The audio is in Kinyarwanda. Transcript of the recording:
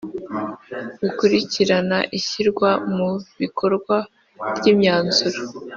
Bukurikirana ishyirwa mu bikorwa ry imyanzuro